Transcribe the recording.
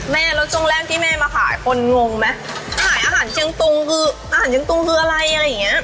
แม่แล้วช่วงแรกที่แม่มาขายคนงงไหมขายอาหารเชียงตุงคืออาหารเชียงตุงคืออะไรอะไรอย่างเงี้ย